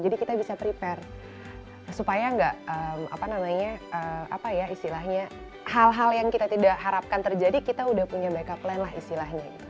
jadi kita bisa prepare supaya nggak apa namanya apa ya istilahnya hal hal yang kita tidak harapkan terjadi kita udah punya backup plan lah istilahnya